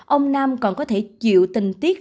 ông nam còn có thể chịu tình tiết